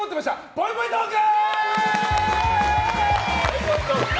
ぽいぽいトーク！